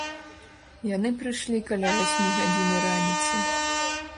Яны прышлі каля васьмі гадзіны раніцы.